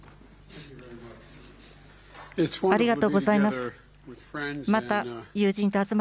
ありがとうございます。